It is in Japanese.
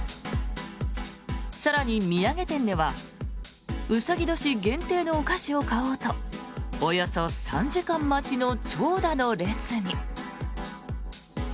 更に、土産店では卯年限定のお菓子を買おうとおよそ３時間待ちの長蛇の列に。